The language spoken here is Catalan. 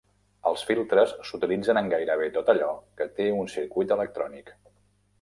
Els filtres s'utilitzen en gairebé tot allò que té un circuit electrònic.